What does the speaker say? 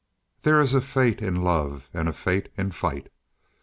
There is a fate in love and a fate in fight.